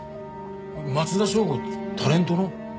松田省吾ってタレントの？